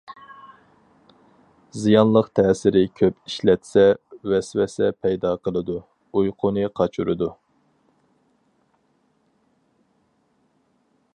زىيانلىق تەسىرى كۆپ ئىشلەتسە ۋەسۋەسە پەيدا قىلىدۇ، ئۇيقۇنى قاچۇرىدۇ.